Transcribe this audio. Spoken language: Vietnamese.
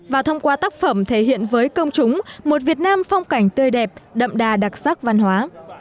và thông qua tác phẩm thể hiện với công chúng một việt nam phong cảnh tươi đẹp đậm đà đặc sắc văn hóa